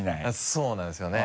そうなんですよね。